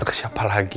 sampai jumpa lagi